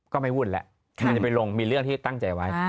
ก็ไม่วุ่นแล้วมันจะไปลงมีเรื่องที่ตั้งใจไว้